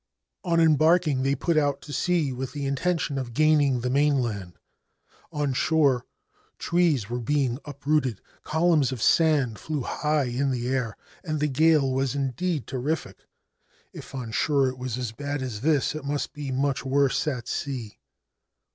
On embarking they put out to sea with the intention of gaining the mainland. On shore trees were being uprooted, columns of sand flew high in the air, and the gale was indeed terrific ; if on shore it was as bad as this, it must be much worse at sea.